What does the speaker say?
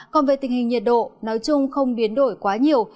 còn về tình hình nhiệt độ nói chung không biến đổi quá nhiều